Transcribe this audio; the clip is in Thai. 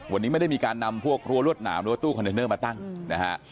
วันนี้ไม่ได้มีการนำพวกรั้วรวดหนามหรือว่าตู้คอนเทนเนอร์มาตั้งนะฮะ